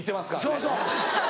そうそう。